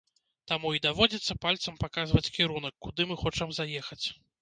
Таму і даводзіцца пальцам паказваць кірунак, куды мы хочам заехаць.